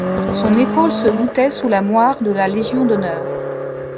Son épaule se voûtait sous la moire de la Légion d'honneur.